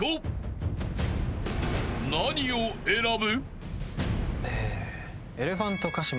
［何を選ぶ？］